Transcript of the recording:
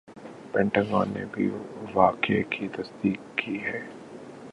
پینٹا gone نے بھی واقعہ کی تصدیق کی ہے